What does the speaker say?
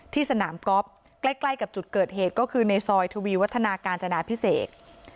สนามก๊อฟใกล้กับจุดเกิดเหตุก็คือในซอยทวีวัฒนาการจนาพิเศษ